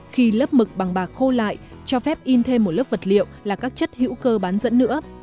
khi lớp mực bằng bạc khô lại cho phép in thêm một lớp vật liệu là các chất hữu cơ bán dẫn nữa